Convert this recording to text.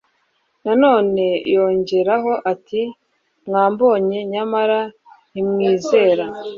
Na none yongeraho ati: "mwambonye, nyamara ntimwizera."